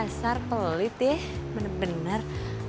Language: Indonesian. dasar pelolit ya bener bener